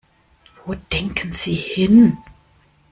Wo denken Sie hin?